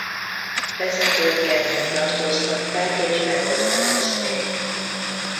Vezetőiket letartóztatták és bebörtönözték.